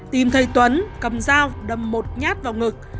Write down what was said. tìm thấy tuấn cầm dao đâm một nhát vào ngực